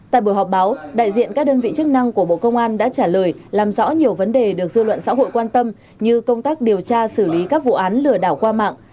tại buổi họp báo đại diện các đơn vị chức năng của bộ công an đã trả lời làm rõ nhiều vấn đề được dư luận xã hội quan tâm như công tác điều tra xử lý các vụ án lừa đảo qua mạng